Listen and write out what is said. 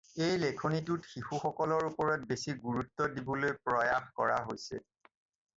এই লিখনিটোত শিশুসকলৰ ওপৰত বেছি গুৰুত্ব দিবলৈ প্ৰয়াস কৰা হৈছে।